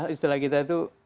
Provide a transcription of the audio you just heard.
istilah kita itu